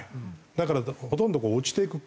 だからほとんど落ちていく。